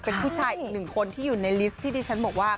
เป็นผู้ชายอีกหนึ่งคนที่อยู่ในลิสต์ที่ดิฉันบอกว่า